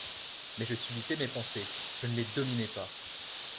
Mais je subissais mes pensées, je ne les dominais pas !